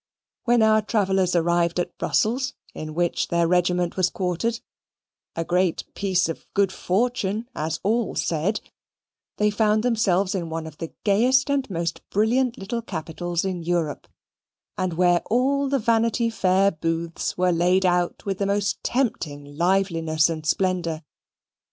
When our travellers arrived at Brussels, in which their regiment was quartered, a great piece of good fortune, as all said, they found themselves in one of the gayest and most brilliant little capitals in Europe, and where all the Vanity Fair booths were laid out with the most tempting liveliness and splendour.